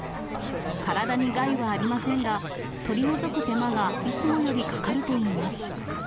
体に害はありませんが、取り除く手間がいつもよりかかるといいます。